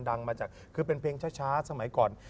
ดังมาจากคือเป็นเพลงช้าสมัยก่อน